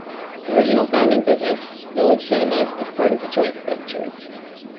The original founding business, Village Cinemas, is part of the joint venture.